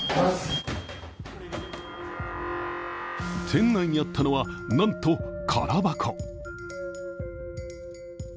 店内にあったのは、なんと空箱。